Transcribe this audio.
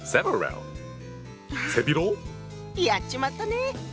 やっちまったね！